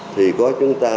thì có chúng ta